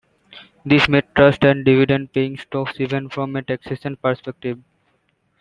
This made trusts and dividend paying stocks even from a taxation perspective.